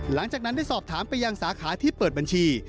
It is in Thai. หลังจากนั้นได้สอบถามไปยังสาขาที่เปิดบัญชี